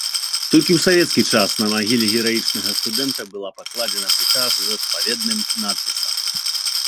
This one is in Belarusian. Толькі ў савецкі час на магіле гераічнага студэнта была пакладзена пліта з адпаведным надпісам.